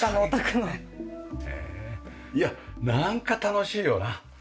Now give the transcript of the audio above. へえなんか楽しいよな。